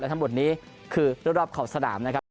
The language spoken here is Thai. ทั้งหมดนี้คือรอบขอบสนามนะครับ